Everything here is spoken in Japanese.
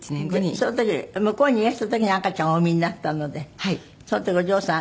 その時に向こうにいらした時に赤ちゃんをお産みになったのでその時お嬢さん